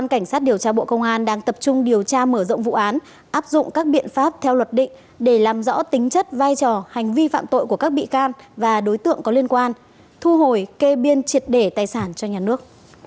cảnh sát điều tra bộ công an đang tập trung điều tra mở rộng vụ án áp dụng các biện pháp theo luật định để làm rõ tính chất vai trò hành vi phạm tội của các bị can và đối tượng có liên quan thu hồi kê biên triệt để tài sản cho nhà nước